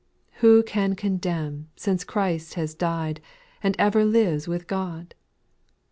2. Who can condemn, since Christ has died, And ever lives with God